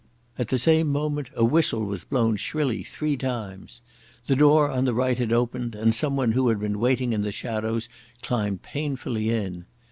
At the same moment a whistle was blown shrilly three times. The door on the right had opened and someone who had been waiting in the shadows climbed painfully in.